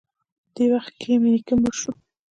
دې وخت کښې مې نيکه مړ سو.